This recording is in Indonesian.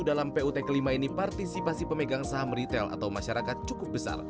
dalam put kelima ini partisipasi pemegang saham retail atau masyarakat cukup besar